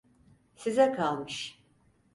Size kalmış.